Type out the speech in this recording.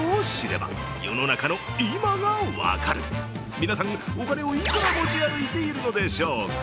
皆さん、お金をいくら持ち歩いているのでしょうか。